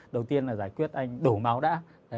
đầu tiên là giải quyết anh đổ máu đã